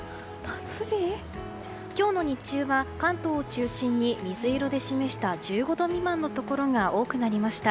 今日の日中は関東を中心に水色で示した１５度未満のところが多くなりました。